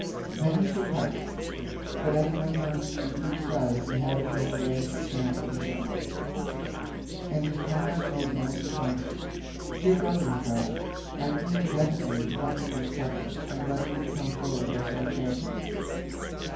Then he took heart, but Agamemnon heaved a deep sigh as he held Menelaus's hand in his own, and his comrades made moan in concert. "Dear brother," he cried, "I have been the death of you in pledging this covenant and letting you come forward as our champion.